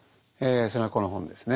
それがこの本ですね。